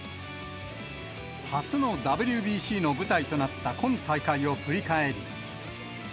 初のＷＢＣの舞台となった今大会を振り返り。